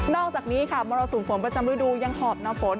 อกจากนี้ค่ะมรสุมฝนประจำฤดูยังหอบน้ำฝน